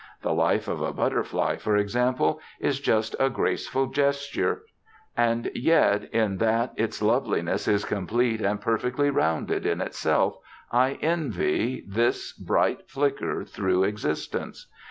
The life of a butterfly, for example, is just a graceful gesture: and yet, in that its loveliness is complete and perfectly rounded in itself, I envy this bright flicker through existence.